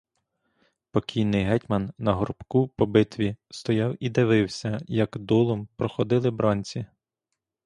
Покійний гетьман на горбку по битві стояв і дивився, як долом проходили бранці.